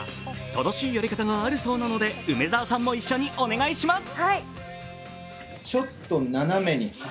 正しいやり方があるそうなので梅澤さんも一緒にお願いします。